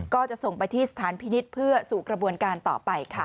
ก็จะส่งไปที่สถานพินิษฐ์เพื่อสู่กระบวนการต่อไปค่ะ